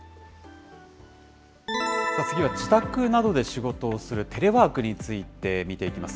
次は自宅などで仕事をするテレワークについて、見ていきます。